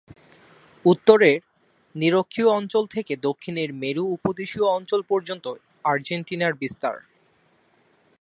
উত্তরের নিরক্ষীয় অঞ্চল থেকে দক্ষিণের মেরু-উপদেশীয় অঞ্চল পর্যন্ত আর্জেন্টিনার বিস্তার।